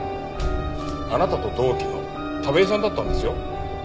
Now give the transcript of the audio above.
あなたと同期の田部井さんだったんですよ。